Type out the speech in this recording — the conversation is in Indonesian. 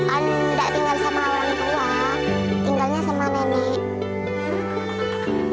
anda tinggal sama orang tua tinggalnya sama nenek